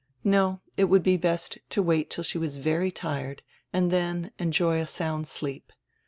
No, it would be best to wait till she was very tired and dien enjoy a sound sleep.